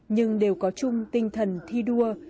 nhưng đều có chung tinh thần thi đua